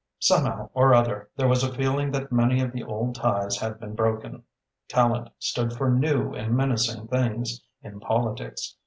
Somehow or other, there was a feeling that many of the old ties had been broken. Tallente stood for new and menacing things in politics.